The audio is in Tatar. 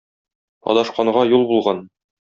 Адашканга - юл булган